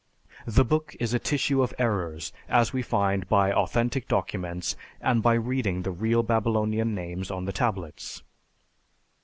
The book is a tissue of errors, as we find by authentic documents and by reading the real Babylonian names on the tablets."